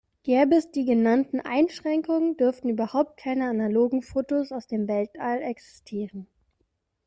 Gäbe es die genannten Einschränkungen, dürften überhaupt keine analogen Fotos aus dem Weltall existieren.